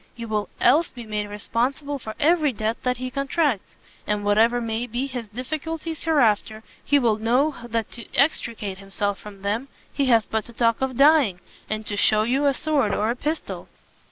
You will else be made responsible for every debt that he contracts; and whatever may be his difficulties hereafter, he will know that to extricate himself from them, he has but to talk of dying, and to shew you a sword or a pistol."